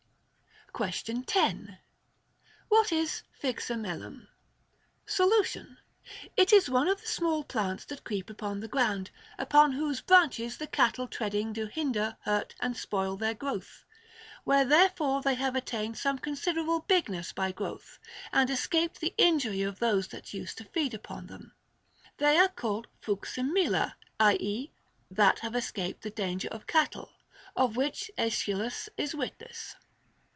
Questio7i 10. What is Phyxemelum? Solution. It is one of the small plants that creep upon the ground, upon whose branches the cattle treading do hinder, hurt, and spoil their growth. Where therefore they have attained some considerable bigness by growth, and escaped the injury of those that use to feed upon them, they are called φνξίμηλα (i.e. that have escaped the danger of cattle), of which Aeschylus is witness.